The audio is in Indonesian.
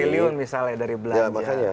satu empat triliun misalnya dari belanja